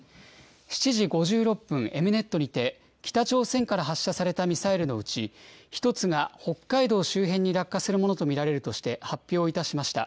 ７時５６分、エムネットにて、北朝鮮から発射されたミサイルのうち、１つが北海道周辺に落下するものと見られるとして、発表をいたしました。